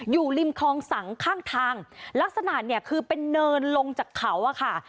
อยู่ริมคลองสังข้างทางลักษณะเนี่ยคือเป็นเนินลงจากเขาอะค่ะ